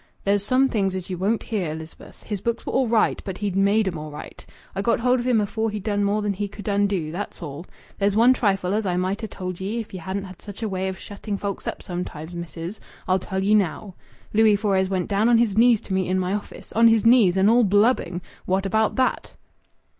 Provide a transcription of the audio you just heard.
"There's some things as you won't hear, Elizabeth. His books were all right, but he'd made 'em all right. I got hold of him afore he'd done more than he could undo that's all. There's one trifle as I might ha' told ye if ye hadn't such a way of shutting folks up sometimes, missis. I'll tell ye now. Louis Fores went down on his knees to me in my office. On his knees, and all blubbing. What about that?"